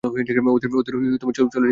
ওদের চলে যেতে বল, মা।